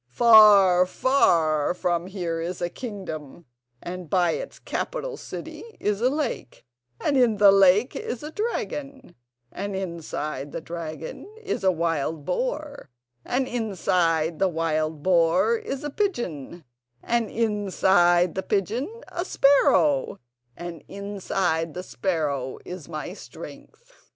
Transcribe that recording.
Far, far from here is a kingdom, and by its capital city is a lake, and in the lake is a dragon, and inside the dragon is a wild boar, and inside the wild boar is a pigeon, and inside the pigeon a sparrow, and inside the sparrow is my strength."